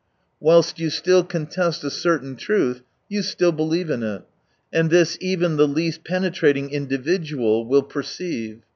Whilst you still contest a certain truth, you still believe in it, and this even the least penetrating individual will perceive.